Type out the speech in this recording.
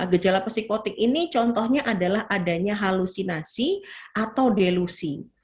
gejala psikotik ini contohnya adalah adanya halusinasi atau delusi